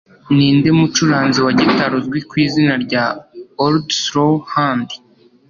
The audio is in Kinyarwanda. Ninde mucuranzi wa gitari uzwi ku izina rya "Old Slow Hand"?